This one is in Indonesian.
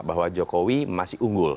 bahwa jokowi masih unggul